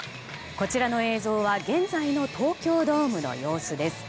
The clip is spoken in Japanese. こちらの映像は現在の東京ドームの様子です。